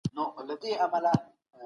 که هغه ښه درس ووايي، لوړي نمرې به واخلې.